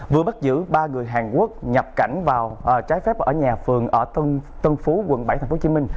vừa bắt giữ ba người hàn quốc nhập cảnh vào trái phép ở nhà phường ở tân phú quận bảy tp hcm